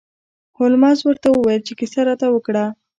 هولمز ورته وویل چې کیسه راته وکړه.